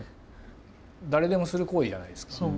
誰でもする行為じゃないですか。